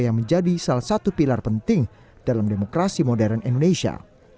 yang menjadi salah satu pilar penting dalam demokrasi modern indonesia